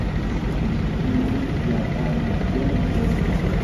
Iseflen-ik yerɣan zgan sdat-i.